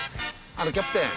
あのキャプテン。